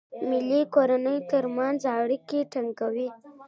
مېلې د کورنۍ ترمنځ اړیکي ټینګوي.